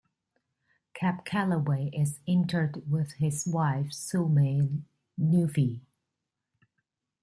Cab Calloway is interred with his wife Zulme "Nuffie".